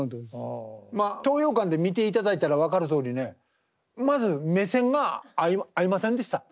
まあ東洋館で見ていただいたら分かるとおりねまず目線が合いませんでした。